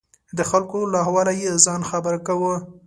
د خلکو له احواله یې ځان خبر کاوه.